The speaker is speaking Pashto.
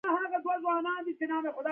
پښتو باید د راتلونکي پښتنو په زړه کې وي.